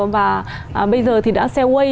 và bây giờ thì đã xe way